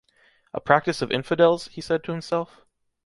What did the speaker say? “A practice of infidels?” he said to himself.